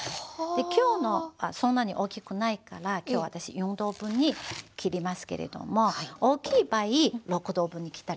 で今日のはそんなに大きくないから今日私４等分に切りますけれども大きい場合６等分に切ったりとかして下さい。